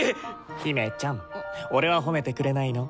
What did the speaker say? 姫ちゃん俺は褒めてくれないの？